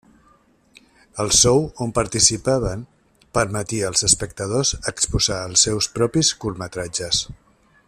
El show on participaven permetia als espectadors exposar els seus propis curtmetratges.